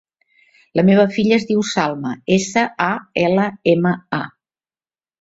La meva filla es diu Salma: essa, a, ela, ema, a.